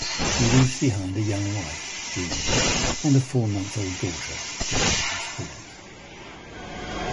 He leaves behind a young wife Jean and four month old daughter Jacqueline Spillett.